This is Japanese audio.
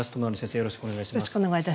よろしくお願いします。